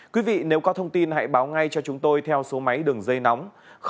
quý vị nếu có thông tin hãy báo ngay cho chúng tôi theo số máy đường dây nóng